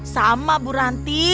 sama bu ranti